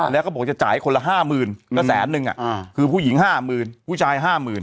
แล้วก็บอกจะจ่ายคนละ๕๐๐๐๐แล้วแสนนึงคือผู้หญิง๕๐๐๐๐ผู้ชาย๕๐๐๐๐